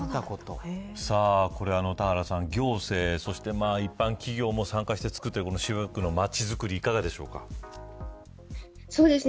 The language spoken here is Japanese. これ、田原さん行政、そして一般企業も参加してつくっている渋谷区の街づくりいかがですか。